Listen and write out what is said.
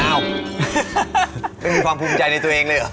ไม่มีความภูมิใจในตัวเองเลยเหรอ